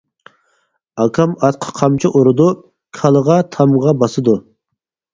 ئاكام ئاتقا قامچا ئۇرىدۇ، كالىغا تامغا باسىدۇ.